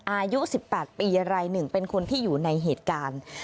อายุ๑๘ปี๑๑๐๑เป็นคนที่อยู่ในเหตุการณ์